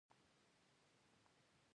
او دغې رسنۍ هم پر هغو ښځو نیوکې کړې